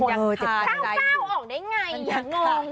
เจ็บเจ้าออกได้ไงยังงง